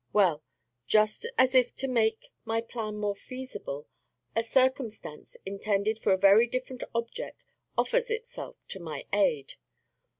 Well, just as if to make my plan more feasible, a circumstance intended for a very different object offers itself to my aid.